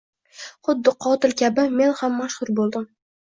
Xuddi qotil kabi men ham mashhur bo`ldim